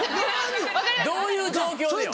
どういう状況でよ？